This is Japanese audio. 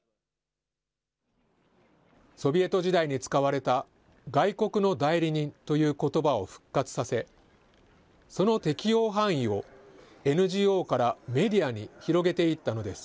ソビエト時代に使われた、外国の代理人ということばを復活させ、その適用範囲を、ＮＧＯからメディアに広げていったのです。